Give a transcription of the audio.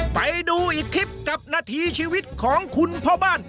ไปดูอีกคลิปกับนาทีชีวิตของคุณพ่อบ้าน